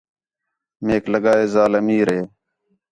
میک لڳا ہے ذال امیر ہِے